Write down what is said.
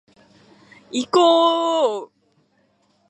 いこーーーーーーぉ